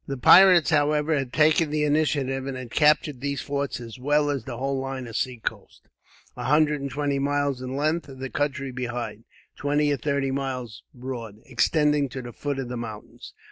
The pirates, however, had taken the initiative, and had captured these forts; as well as the whole line of seacoast, a hundred and twenty miles in length; and the country behind, twenty or thirty miles broad, extending to the foot of the mountains.